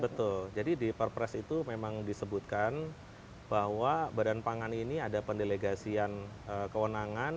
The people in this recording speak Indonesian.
betul jadi di perpres itu memang disebutkan bahwa badan pangan ini ada pendelegasian kewenangan